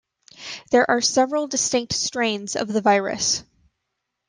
There are several distinct strains of the virus.